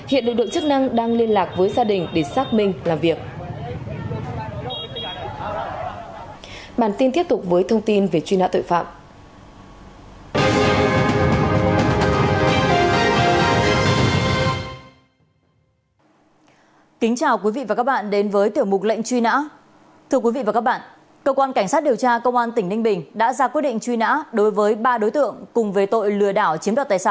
hiện đội chức năng đang liên lạc với gia đình để xác minh làm việc